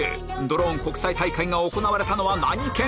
ドローン国際大会が行われたのは何県？